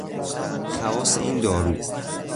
خواص این دارو